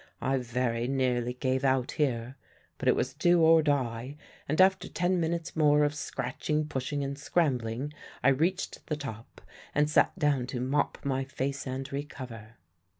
I very nearly gave out here; but it was do or die, and after ten minutes more of scratching, pushing, and scrambling, I reached the top and sat down to mop my face and recover.